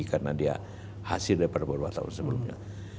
karena dia hasil daripada beberapa tahun sebelumnya